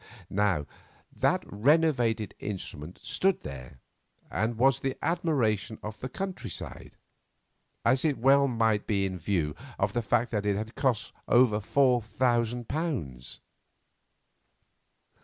Now that renovated instrument stood there, and was the admiration of the country side, as it well might be in view of the fact that it had cost over four thousand pounds.